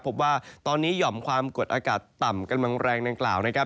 พบว่าตอนนี้หย่อมความกดอากาศต่ำกำลังแรงดังกล่าวนะครับ